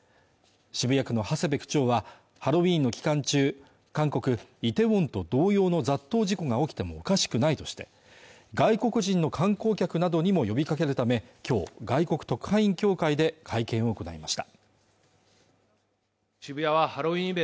渋谷区の長谷部区長はハロウィーンの期間中韓国イテウォンと同様の雑踏事故が起きてもおかしくないとして外国人の観光客などにも呼びかけるためきょう外国特派員協会で会見を行いました